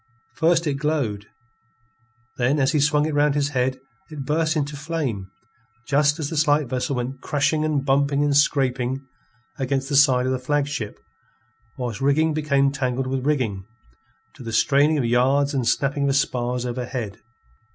First it glowed, then as he swung it round his head, it burst into flame, just as the slight vessel went crashing and bumping and scraping against the side of the flagship, whilst rigging became tangled with rigging, to the straining of yards and snapping of spars overhead.